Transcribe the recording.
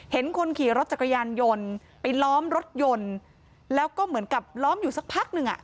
เห็นคนขี่รถจักรยานยนต์ไปล้อมรถยนต์แล้วก็เหมือนกับล้อมอยู่สักพักหนึ่งอ่ะ